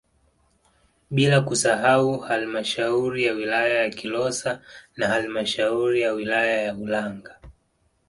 Bila kusahau halmashauri ya wilaya ya Kilosa na halmashauri ya wilaya ya Ulanga